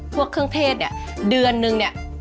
พวกเครื่องเทศเนี่ยเดือนนึงเนี่ย